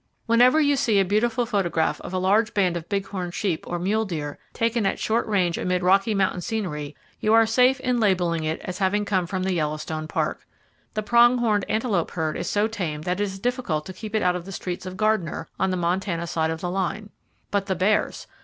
Whenever you see a beautiful photograph of a large band of big horn sheep or mule deer taken at short range amid Rocky Mountain scenery, you are safe in labeling it as having come from the Yellowstone Park. The prong horned antelope herd is so tame that it is difficult to keep it out of the streets of Gardiner, on the Montana side of the line. But the bears!